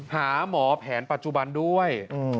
หาหมอแผนปัจจุบันด้วย